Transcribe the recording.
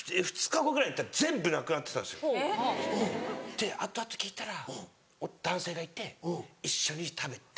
で後々聞いたら男性がいて一緒に食べて。